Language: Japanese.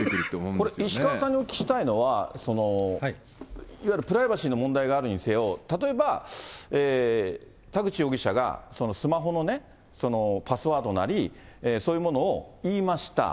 これ、石川さんにお聞きしたいのは、いわゆるプライバシーの問題があるにせよ、例えば、田口容疑者がスマホのパスワードなり、そういうものを言いました。